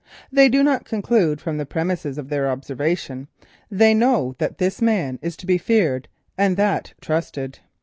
They do not conclude from the premisses of their observation, they know that this man is to be feared and that trusted.